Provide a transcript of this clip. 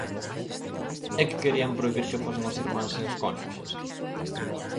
¿É que querían prohibir que fosen os irmáns e os cónxuxes?